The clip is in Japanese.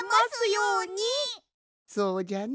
そうじゃな。